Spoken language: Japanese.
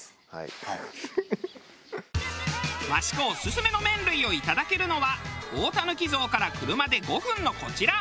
益子オススメの麺類をいただけるのは大たぬき像から車で５分のこちら。